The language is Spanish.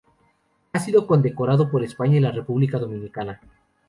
Ha sido condecorado por España y la República Dominicana.